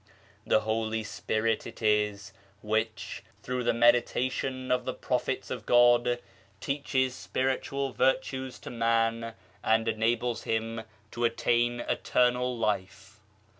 The Holy Spirit it is which, through the meditation of the Prophets of God, teaches spiritual virtues to Man and enables him to attain Eternal life.